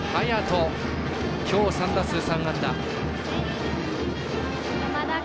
きょう、３打数３安打。